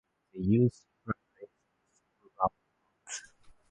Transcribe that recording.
They used simpler graves with small round mounds.